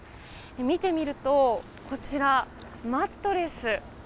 見てみると、マットレス。